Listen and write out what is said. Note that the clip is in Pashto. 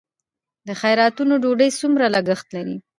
د خیراتونو ډوډۍ څومره لګښت لري؟